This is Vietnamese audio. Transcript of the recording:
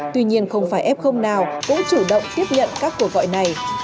tuy nhiên không phải f nào cũng chủ động tiếp nhận các cuộc gọi này